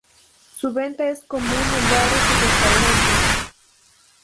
Su venta es común en bares y restaurantes.